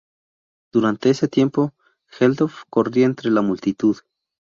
Durante ese tiempo Geldof corría entre la multitud.